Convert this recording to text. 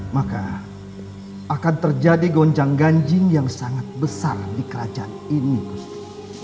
maka akan terjadi gonjang ganjing yang sangat besar di kerajaan ini gusti